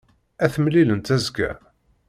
Ad t-mlilent azekka.